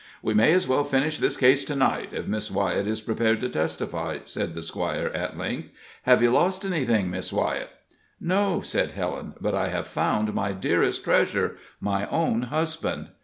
"We may as well finish this case to night, if Miss Wyett is prepared to testify," said the squire, at length. "Have you lost anything, Miss Wyett?" "No," said Helen; "but I have found my dearest treasure my own husband!"